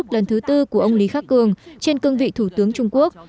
lần thứ tư của ông lý khắc cường trên cương vị thủ tướng trung quốc